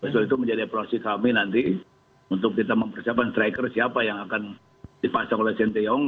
soal itu menjadi proses kami nanti untuk kita mempersiapkan striker siapa yang akan dipasang oleh sinteyong